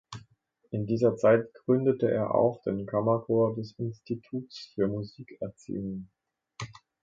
In dieser Zeit gründete er auch den Kammerchor des Instituts für Musikerziehung.